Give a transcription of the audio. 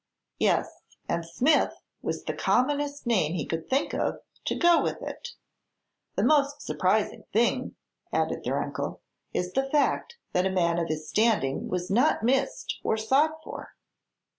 "Yes; and Smith was the commonest name he could think of to go with it. The most surprising thing," added their uncle, "is the fact that a man of his standing was not missed or sought for."